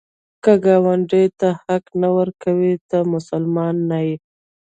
که ګاونډي ته حق نه ورکوې، ته مسلمان نه یې